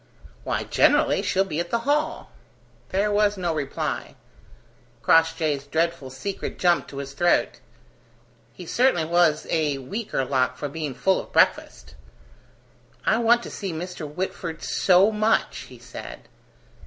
"Why, generally she'll be at the Hall." There was no reply: Crossjay's dreadful secret jumped to his throat. He certainly was a weaker lock for being full of breakfast. "I want to see Mr. Whitford so much," he said.